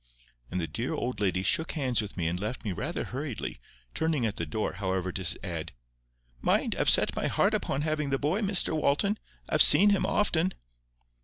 And the dear old lady shook hands with me and left me rather hurriedly, turning at the door, however, to add— "Mind, I've set my heart upon having the boy, Mr Walton. I've seen him often."